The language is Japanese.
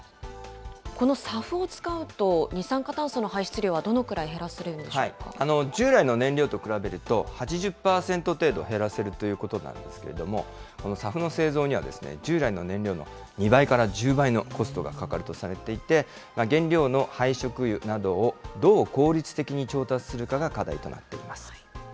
このＳＡＦを使うと、二酸化炭素の排出量はどのくらい減らせ従来の燃料と比べると、８０％程度減らせるということなんですけれども、このＳＡＦの製造には、従来の燃料の２倍から１０倍のコストがかかるとされていて、原料の廃食油などをどう効率的に調達するかが課題となっています。